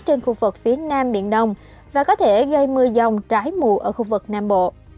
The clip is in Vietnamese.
trên khu vực phía nam biển đông và có thể gây mưa dòng trái mùa ở khu vực nam bộ